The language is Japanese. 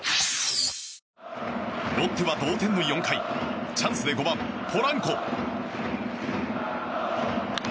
ロッテは同点の４回チャンスで５番、ポランコ。